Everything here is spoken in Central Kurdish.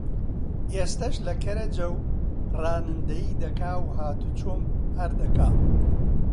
ئێستەش لە کەرەجە و ڕانندەیی دەکا و هاتوچۆم هەر دەکا